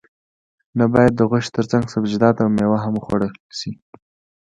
نه باید د غوښې ترڅنګ سبزیجات او میوه هم وخوړل شي